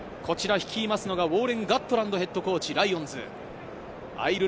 率いますのは、オーウォーレン・ガットランドヘッドコーチ。